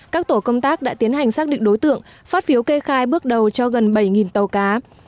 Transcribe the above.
các tổ công tác đã tiến hành xác định đối tượng phát phiếu kê khai bước đầu cho gần bảy tàu cá